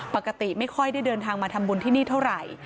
ปกติไม่ค่อยได้เดินทางมาทำบุญที่นี่เท่าไหร่